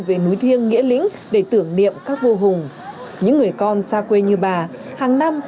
về núi thiêng nghĩa lĩnh để tưởng niệm các vô hùng những người con xa quê như bà hàng năm